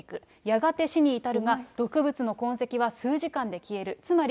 やがて死に至るが、毒物の痕跡は数時間で消える。